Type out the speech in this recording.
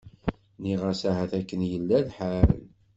Nniɣ-as ahat akken i yella lḥal.